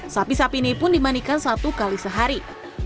sapi sapi ini pun dimanikan satu kali sehari